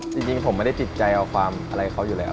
จริงผมไม่ได้ติดใจเอาความอะไรเขาอยู่แล้ว